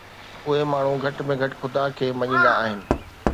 اهي ماڻهو گهٽ ۾ گهٽ خدا کي مڃيندا آهن.